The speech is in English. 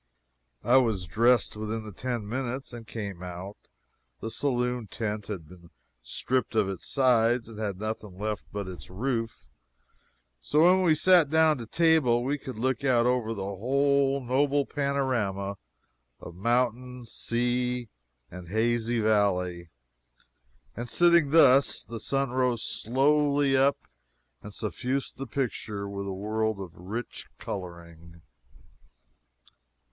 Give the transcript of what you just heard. I was dressed within the ten minutes, and came out. The saloon tent had been stripped of its sides, and had nothing left but its roof; so when we sat down to table we could look out over a noble panorama of mountain, sea and hazy valley. And sitting thus, the sun rose slowly up and suffused the picture with a world of rich coloring.